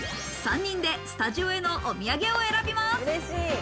３人でスタジオへのお土産を選びます。